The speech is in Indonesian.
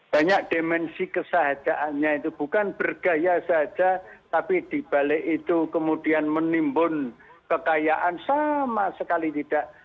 banyak dimensi kesahajaannya itu bukan bergaya saja tapi dibalik itu kemudian menimbun kekayaan sama sekali tidak